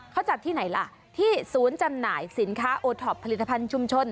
เขาจัดที่ไหนล่ะที่ศูนย์จำหน่ายสินค้าโอท็อปผลิตภัณฑ์ชุมชน